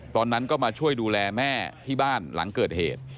ตอนนั้นก็มาช่วยดูแลแม่ที่บ้านหลังเกิดเหตุ